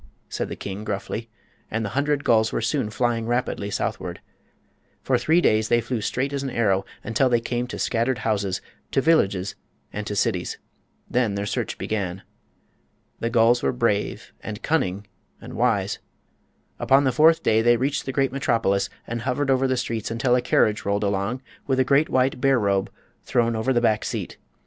said the king, gruffly. And the hundred gulls were soon flying rapidly southward. For three days they flew straight as an arrow, until they came to scattered houses, to villages, and to cities. Then their search began. The gulls were brave, and cunning, and wise. Upon the fourth day they reached the great metropolis, and hovered over the streets until a carriage rolled along with a great white bear robe thrown over the back seat.